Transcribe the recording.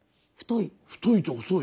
太い。